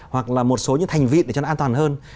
hoặc là một số những thành vị để cho nó an toàn hơn